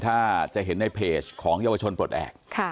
ถ้าจะเห็นในเพจของเยาวชนปลดแอบ